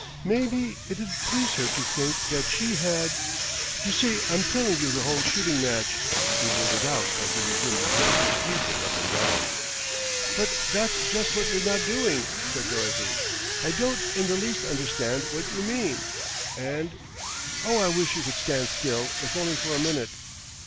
"May be it'ud please her to think that she had you see I'm telling you the whole shooting match," he blurted out as he resumed his restless pacing up and down. "But that's just what you're not doing," said Dorothy. "I don't in the least understand what you mean, and Oh, I wish you could stand still, if only for a minute."